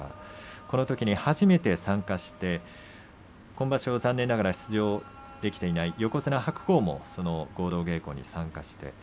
ここに初めて参加して今場所、残念ながら出場できていない横綱白鵬も参加していました。